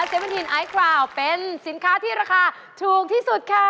เซเฟนทีนไอศกราวด์เป็นสินค้าที่ราคาถูกที่สุดค่ะ